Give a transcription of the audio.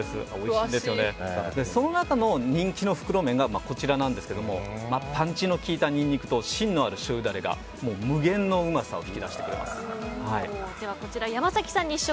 その中の人気の袋麺がこちらなんですがパンチの効いた芯のある太麺が無限のうまさを引き出してくれます。